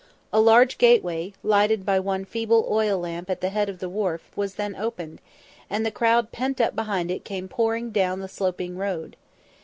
A large gateway, lighted by one feeble oil lamp at the head of the wharf, was then opened, and the crowd pent up behind it came pouring down the sloping road.